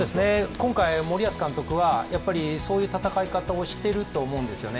今回森保監督は、やっぱりそういう戦い方をしていると思うんですね。